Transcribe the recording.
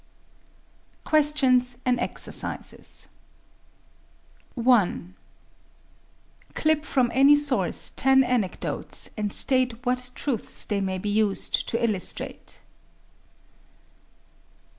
QUESTIONS AND EXERCISES 1. Clip from any source ten anecdotes and state what truths they may be used to illustrate.